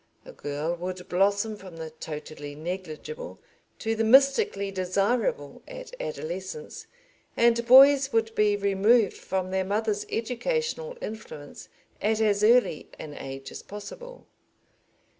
A girl would blossom from the totally negligible to the mystically desirable at adolescence, and boys would be removed from their mother's educational influence at as early an age as possible.